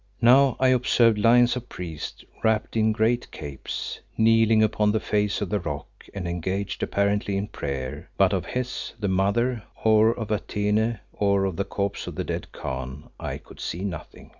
Now I observed lines of priests wrapped in great capes, kneeling upon the face of the rock and engaged apparently in prayer, but of Hes the Mother, or of Atene, or of the corpse of the dead Khan I could see nothing.